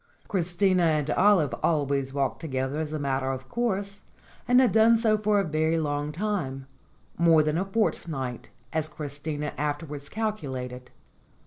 But Christina and Olive always walked together as a mat ter of course, and had done so for a very long time more than a fortnight, as Christina afterwards calcu lated.